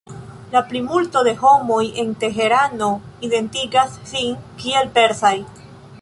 La plimulto de homoj en Teherano identigas sin kiel persaj.